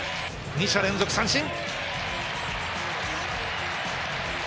二者連続三振！